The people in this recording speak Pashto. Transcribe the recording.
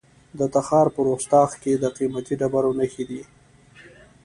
د تخار په رستاق کې د قیمتي ډبرو نښې دي.